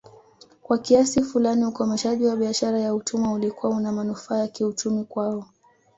Kwa kiasi fulani ukomeshaji wa biashara ya utumwa ulikuwa unamanufaa ya kiuchumi kwao